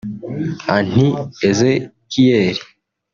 Anti Ezekiel